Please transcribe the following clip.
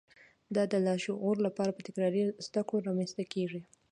دا د لاشعور لپاره په تکراري زده کړو رامنځته کېږي